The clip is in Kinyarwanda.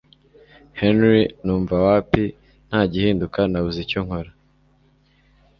Henry numva wapi ntagihinduka nabuze icyo nkora